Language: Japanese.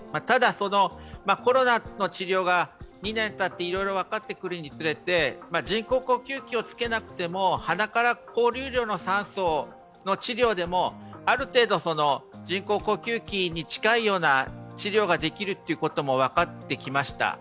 ただ、コロナの治療が２年たっていろいろ分かってくるにつれて人工呼吸器をつけなくても鼻から高流量の酸素の治療でも、ある程度人工呼吸器に近いような治療もできるということが分かってきました。